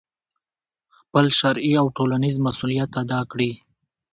خپل شرعي او ټولنیز مسؤلیت ادا کړي،